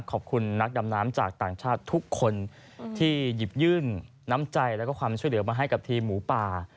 ขอบคุณนักดำน้ำจากต่างชาติทุกคนที่หยิบยื่นน้ำใจแล้วก็ความช่วยเหลือมาให้กับทีมหมูป่า